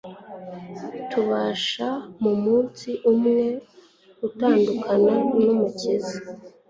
tubasha mu munsi umwe gutandukana n'Umukiza,